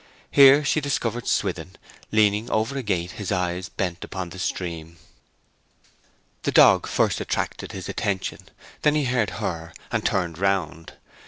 Here she discovered Swithin, leaning over a gate, his eyes bent upon the stream. The dog first attracted his attention; then he heard her, and turned round.